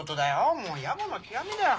もうヤボの極みだよ。